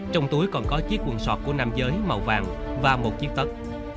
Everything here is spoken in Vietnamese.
trong túi còn có chiếc quần sọt của nam giới màu vàng và một chiếc tất